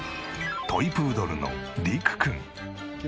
トイプードルのリクくん。